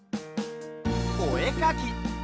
「おえかき」！